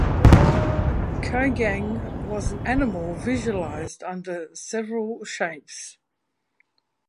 Kogang was an animal visualized under several shapes.